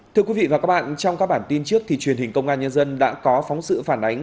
thưa quý vị và các bạn trong các bản tin trước thì truyền hình công an nhân dân đã có phóng sự phản ánh